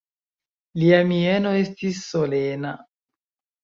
Lia mieno estis solena.